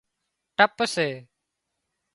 ٽپ سي